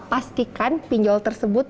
pastikan pinjol tersebut